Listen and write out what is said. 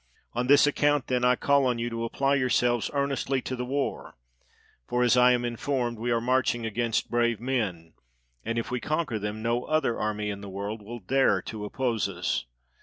On this account, then, I call on you to apply your selves earnestly to the war; for, as I am informed, we are marching against brave men; and if we conquer them, no other army in the world will dare to oppose us.